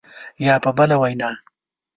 یا په بله وینا